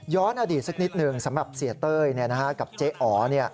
อดีตสักนิดหนึ่งสำหรับเสียเต้ยกับเจ๊อ๋อ